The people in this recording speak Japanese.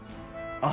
あっ！